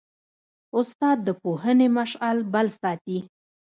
استاد د پوهنې مشعل بل ساتي.